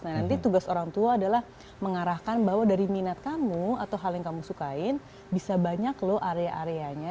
nah nanti tugas orang tua adalah mengarahkan bahwa dari minat kamu atau hal yang kamu sukain bisa banyak loh area areanya